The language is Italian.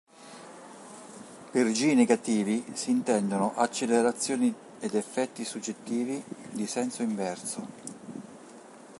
Per g negativi si intendono accelerazioni ed effetti soggettivi di senso inverso.